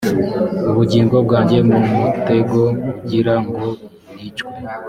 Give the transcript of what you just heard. ubugingo bwanjye mu mutego ugira ngo nicwe